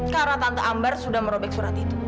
karena tante ambar sudah merobek surat itu